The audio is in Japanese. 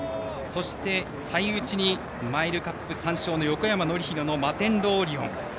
そして、最内にマイルカップ３勝の横山典弘のマテンロウオリオン。